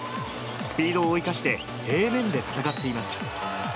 スピードを生かして、平面で戦っています。